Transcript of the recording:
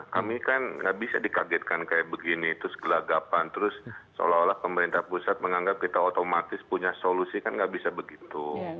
kami kan nggak bisa dikagetkan kayak begini terus gelagapan terus seolah olah pemerintah pusat menganggap kita otomatis punya solusi kan nggak bisa begitu